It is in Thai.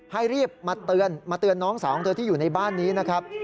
ให้รีบมาเตือนมาเตือนน้องสาวของเธอที่อยู่ในบ้านนี้นะครับ